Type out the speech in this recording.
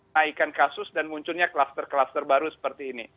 naikan kasus dan munculnya kluster kluster baru seperti ini